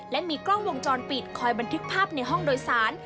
และมีกล้องวงจรปิดคอยบันทึกภาพในห้องโดยสาร